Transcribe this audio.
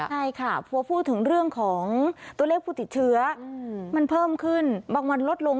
ใช่ค่ะพอพูดถึงเรื่องของตัวเลขผู้ติดเชื้อมันเพิ่มขึ้นบางวันลดลง